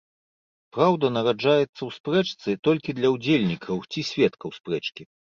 Праўда нараджаецца ў спрэчцы толькі для ўдзельнікаў ці сведкаў спрэчкі.